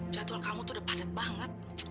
jadwal kamu tuh udah padat banget